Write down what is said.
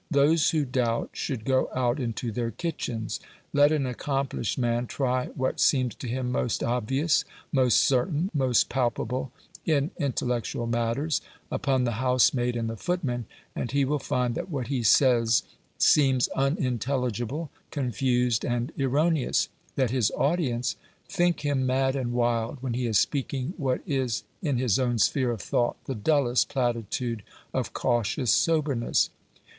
Those who doubt should go out into their kitchens. Let an accomplished man try what seems to him most obvious, most certain, most palpable in intellectual matters, upon the housemaid and the footman, and he will find that what he says seems unintelligible, confused, and erroneous that his audience think him mad and wild when he is speaking what is in his own sphere of thought the dullest platitude of cautious soberness.